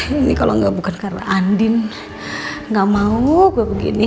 hai ini kalau enggak bukan karena andin enggak mau gue begini